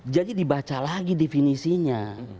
jadi dibaca lagi definisinya